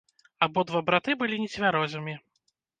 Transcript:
Абодва браты былі нецвярозымі.